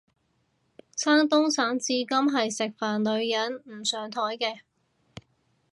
山東省至今係食飯女人唔上枱嘅